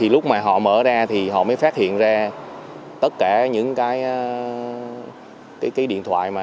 lúc mà họ mở ra thì họ mới phát hiện ra tất cả những cái điện thoại